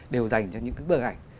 đều dành cho những cái bức ảnh